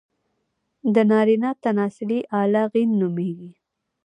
د نارينه تناسلي اله، غيڼ نوميږي.